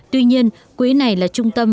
tuy nhiên quỹ này là trung tâm